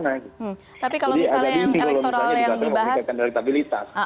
jadi ada di singkulungan ternyata juga menggunakan elektabilitas